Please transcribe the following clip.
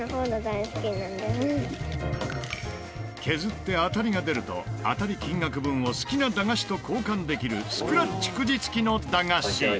削って当たりが出ると当たり金額分を好きな駄菓子と交換できるスクラッチくじ付きの駄菓子。